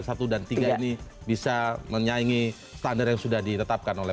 apakah kemudian pasangan satu dan tiga ini bisa menyaingi standar yang sudah ditetapkan oleh